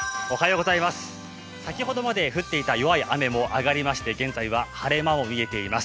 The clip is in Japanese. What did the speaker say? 先ほどまで降っていた弱い雨も上がりまして現在は晴れ間も見えています。